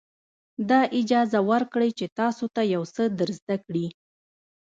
دا اجازه ورکړئ چې تاسو ته یو څه در زده کړي.